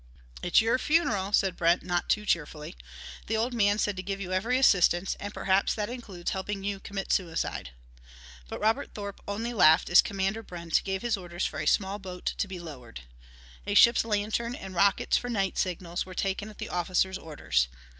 "It's your funeral," said Brent not too cheerfully. "The old man said to give you every assistance, and perhaps that includes helping you commit suicide." But Robert Thorpe only laughed as Commander Brent gave his orders for a small boat to be lowered. A ship's lantern and rockets for night signals were taken at the officer's orders.